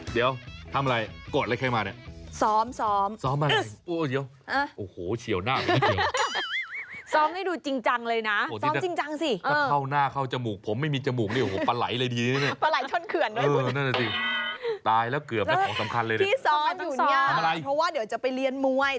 เดี๋ยวทำอะไรกดอะไรแค่มาเนี่ย